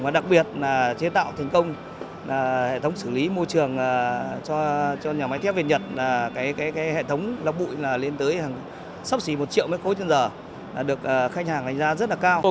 và đặc biệt là chế tạo thành công hệ thống xử lý môi trường cho nhà máy thép việt nhật hệ thống lọc bụi lên tới sắp xỉ một triệu mấy khối thương giờ được khách hàng đánh giá rất là cao